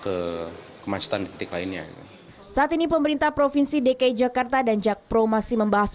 ke kemacetan di titik lainnya saat ini pemerintah provinsi dki jakarta dan jakpro masih membahas